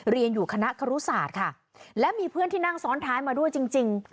เรียนอยู่คณะครุศาสตร์ค่ะและมีเพื่อนที่นั่งซ้อนท้ายมาด้วยจริงจริง